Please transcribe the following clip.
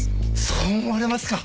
そう思われますか？